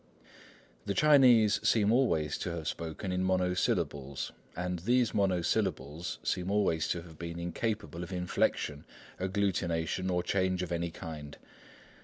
The Chinese seem always to have spoken in monosyllables, and these monosyllables seem always to have been incapable of inflection, agglutination, or change of any kind.